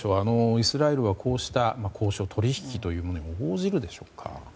イスラエルはこうした交渉、取引に応じるでしょうか。